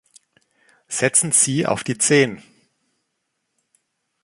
Setzen Sie auf die Zehn!